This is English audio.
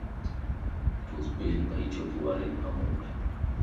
It was built by George Warren Hammond.